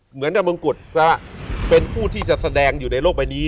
เหมือนกับมงกุฎพระเป็นผู้ที่จะแสดงอยู่ในโลกใบนี้